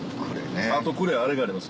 あと呉あれがあります